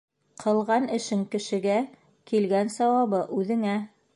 Ҡылған эшең кешегә, килгән сауабы үҙеңә.